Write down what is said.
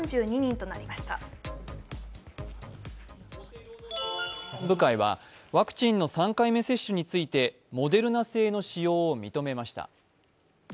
厚生労働省の専門部会はワクチンの３回目接種についてモデルナ製の使用を認めました。